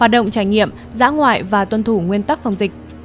dùng trải nghiệm dã ngoại và tuân thủ nguyên tắc phòng dịch